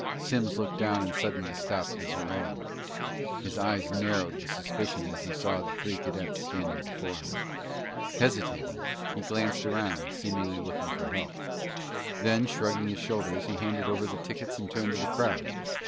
Simms looked down and suddenly stopped his harangue. His eyes narrowed with suspicion as he saw the three cadets standing before him. Hesitating, he glanced around, seemingly looking for help. Then, shrugging his shoulders, he handed over the tickets and turned to the crowd.